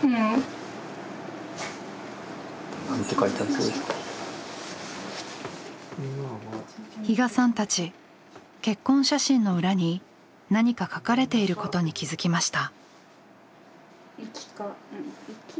それはちょっと比嘉さんたち結婚写真の裏に何か書かれていることに気付きました。